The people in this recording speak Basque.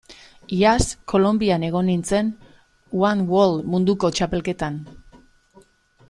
Iaz Kolonbian egon nintzen one wall munduko txapelketan.